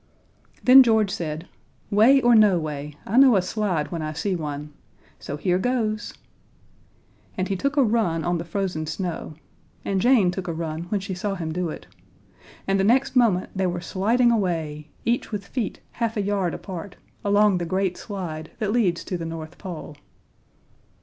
Then George said: "Way or no way, I know a slide when I see one so here goes." And he took a run on the frozen snow, and Jane took a run when she saw him do it, and the next moment they were sliding away, each with feet half a yard apart, along the great slide that leads to the North Pole.